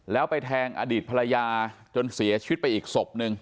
แล้วไปแทงอดีตภรรยาจนเสียชีวิตไปอีกศพหนึ่ง